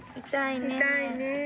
痛いね。